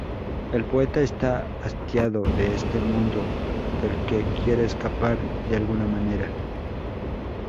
El poeta está hastiado de este mundo del que quiere escapar de alguna manera.